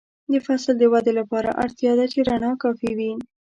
د فصل د ودې لپاره اړتیا ده چې رڼا کافي وي.